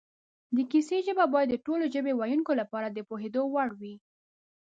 د کیسې ژبه باید د ټولو ژبې ویونکو لپاره د پوهېدو وړ وي